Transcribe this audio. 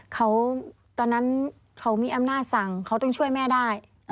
เขาตอนนั้นเขามีอำนาจสั่งเขาต้องช่วยแม่ได้